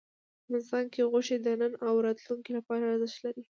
افغانستان کې غوښې د نن او راتلونکي لپاره ارزښت لري.